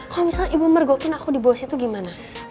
kalau misalnya ibu mergokin aku di bawah situ gimana